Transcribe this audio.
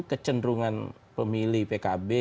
kecenderungan pemilih pkb